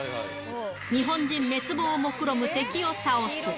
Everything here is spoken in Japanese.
日本人滅亡をもくろむ敵を倒す。